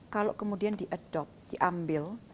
kalau kemudian diadopt diambil